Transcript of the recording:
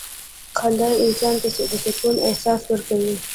• خندا انسان ته د سکون احساس ورکوي.